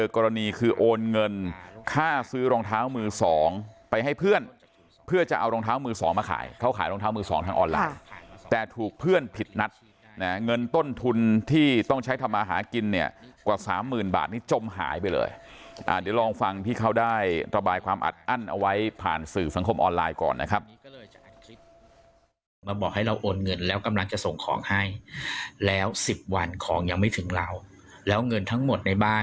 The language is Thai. คือโอนเงินค่าซื้อรองเท้ามือสองไปให้เพื่อนเพื่อจะเอารองเท้ามือสองมาขายเขาขายรองเท้ามือสองทางออนไลน์แต่ถูกเพื่อนผิดนัดเงินต้นทุนที่ต้องใช้ทำอาหารกินเนี่ยกว่าสามหมื่นบาทนี่จมหายไปเลยเดี๋ยวลองฟังที่เขาได้ระบายความอัดอั้นเอาไว้ผ่านสื่อสังคมออนไลน์ก่อนนะครับ